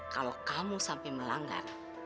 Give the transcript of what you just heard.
kalau kamu sampai melanggar